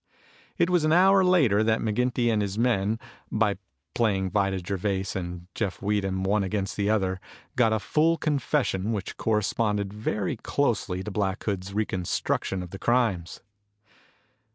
It was an hour later that McGinty and his men, by playing Vida Gervais and Jeff Weedham, one against the other, got a full confession which corresponded very closely to Black Hood's reconstruction of the crimes.